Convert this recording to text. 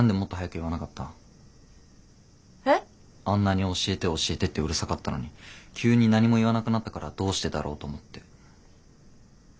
あんなに「教えて教えて」ってうるさかったのに急に何も言わなくなったからどうしてだろうと思って。